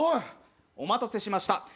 お待たせしました。